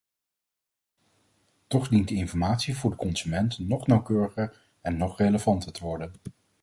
Toch dient de informatie voor de consument nog nauwkeuriger en nog relevanter te worden.